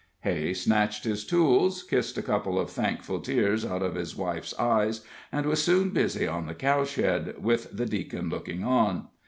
Hay snatched his tools, kissed a couple of thankful tears, out of his wife's eyes, and was soon busy on the cow shed, with the Deacon looking on.